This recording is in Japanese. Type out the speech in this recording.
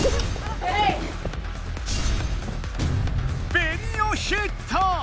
ベニオヒット！